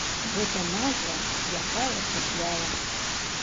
Гэта назва, якая чапляе.